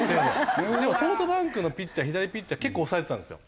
でもソフトバンクのピッチャー左ピッチャー結構抑えてたんですよ。